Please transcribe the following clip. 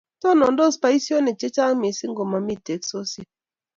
Tonondos boishionik che chang mising komomi teksosiek